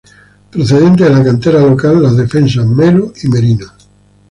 Procedentes de la cantera local, los defensas Melo y Merino.